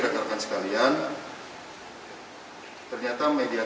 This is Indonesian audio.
ternyata mediator ini bertemu dengan salah satu pegawai koperasi simpan pinjam